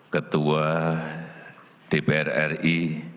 ketua dpr ri